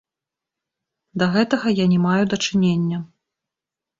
Да гэтага я не маю дачынення.